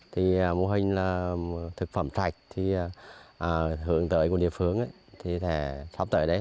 thì mô hình là thực phẩm sạch thì hướng tới của địa phương thì sẽ sắp tới đấy